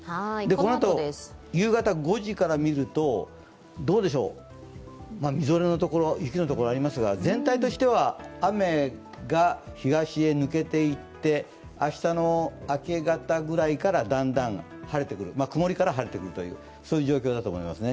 このあと、夕方５時から見るとみぞれのところ、雪のところがありますが全体としては雨が東へ抜けていって明日の明け方ぐらいからだんだん曇りから晴れてくるという状況だと思いますね。